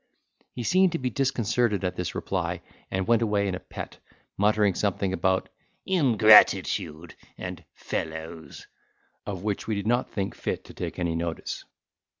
He seemed to be disconcerted at this reply, and went away in a pet, muttering something about "Ingratitude," and "Fellows," of which we did not think fit to take any notice.